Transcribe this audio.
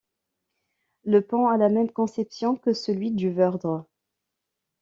Le pont a la même conception que celui du Veurdre.